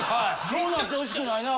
そうなってほしくないな。